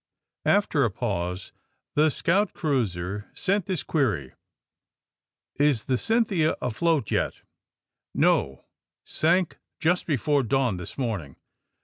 After a pause the scout cruiser sent this query : ^^Is the ^Cynthia' afloat yetr^ '^No; sank just before dawn this morning."